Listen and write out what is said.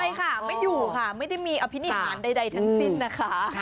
ใช่ค่ะไม่อยู่ค่ะไม่ได้มีอภินิหารใดทั้งสิ้นนะคะ